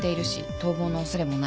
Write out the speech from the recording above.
逃亡の恐れもない。